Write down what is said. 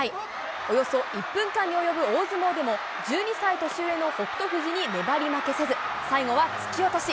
およそ１分間に及ぶ大相撲でも、１２歳年上の北勝富士に粘り負けせず、最後は突き落とし。